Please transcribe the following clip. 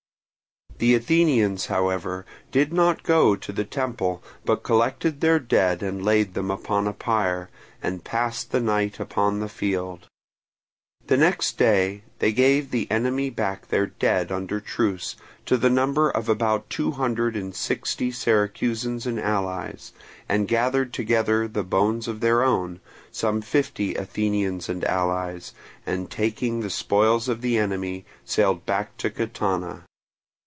The Athenians, however, did not go to the temple, but collected their dead and laid them upon a pyre, and passed the night upon the field. The next day they gave the enemy back their dead under truce, to the number of about two hundred and sixty, Syracusans and allies, and gathered together the bones of their own, some fifty, Athenians and allies, and taking the spoils of the enemy, sailed back to Catana.